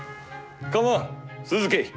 構わん続けい。